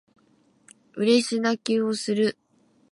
嬉し泣きをする